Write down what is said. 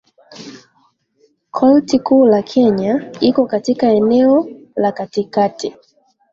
Korti kuu ya Kenya iko katika eneo la katikati.